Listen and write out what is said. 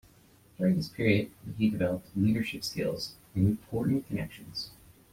During this period he developed leadership skills and important connections.